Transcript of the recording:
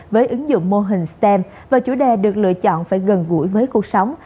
với ứng dụng mô hình stem và chủ đề được lựa chọn phải gần gũi với cuộc sống